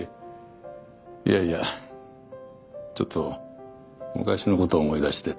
いやいやちょっと昔のことを思い出してて。